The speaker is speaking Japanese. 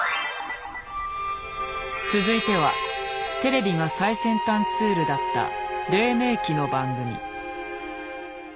続いてはテレビが最先端ツールだったれい明期の番組。